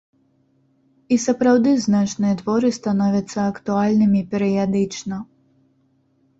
І сапраўды значныя творы становяцца актуальнымі перыядычна.